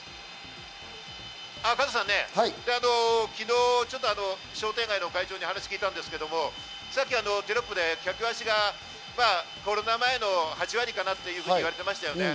加藤さんね、昨日ちょっと商店街の会長にお話を聞いたんですけど、さっきテロップで客足がコロナ前の８割かなと言われてましたね。